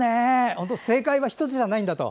本当正解は１つじゃないんだと。